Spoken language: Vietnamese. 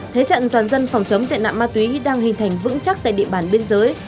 thế trận toàn dân phòng chống tệ nạn ma túy đang hình thành vững chắc tại địa bàn biên giới